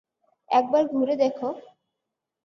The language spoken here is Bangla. একবার ঘুরে দেখো।